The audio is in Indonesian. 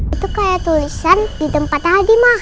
itu kayak tulisan di tempat tadi ma